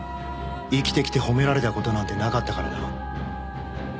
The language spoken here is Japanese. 生きてきて褒められた事なんてなかったからな。